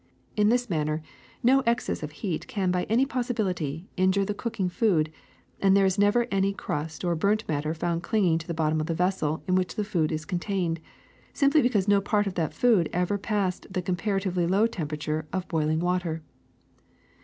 In this manner no excess of heat can by any possi bility injure the cooking food, and there is never any crust of burnt matter found clinging to the bottom of the vessel in which the food is contained, simply be cause no part of that food ever passes the compara tively low temperature of boiling water.